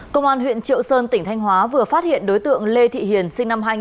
công an huyện triệu sơn tỉnh thanh hóa vừa phát hiện đối tượng lê thị hiền sinh năm hai nghìn